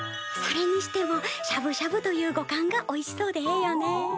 それにしてもしゃぶしゃぶという語感がおいしそうでええよね。